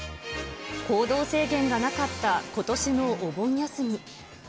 行動制限がなかったことしのお盆休み。